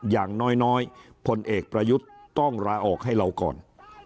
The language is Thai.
อย่างน้อยพลเอกประยุทธ์ต้องลาออกให้เราก่อน